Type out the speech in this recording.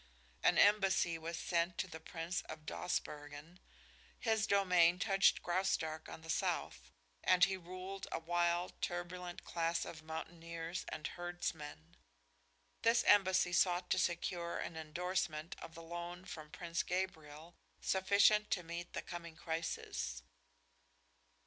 An embassy was sent to the Prince of Dawsbergen. His domain touched Graustark on the south, and he ruled a wild, turbulent class of mountaineers and herdsmen. This embassy sought to secure an endorsement of the loan from Prince Gabriel sufficient to meet the coming crisis.